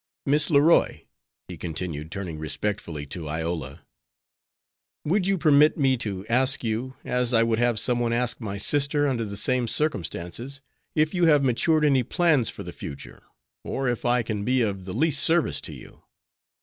Miss Leroy," he continued, turning respectfully to Iola, "would you permit me to ask you, as I would have someone ask my sister under the same circumstances, if you have matured any plans for the future, or if I can be of the least service to you?